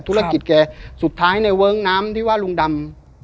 ธุรกิจแกสุดท้ายในเวิ้งน้ำที่ว่าลุงดำ